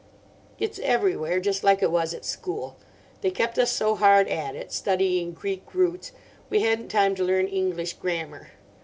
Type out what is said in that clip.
It's everywhere just like it was at school. They kept us so hard at it, studying Greek roots, we hadn't time to learn English grammar.